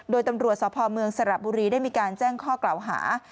โดยตำรวจสพเมืองสระบุรีได้มีการแจ้งข้อกล่าวหา